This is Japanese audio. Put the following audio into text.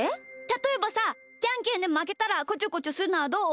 たとえばさじゃんけんでまけたらこちょこちょするのはどう？